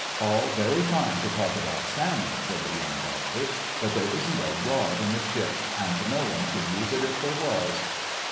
"All very fine to talk about salmon," said the Young Doctor, "but there isn't a rod in the ship, and no one could use it if there was."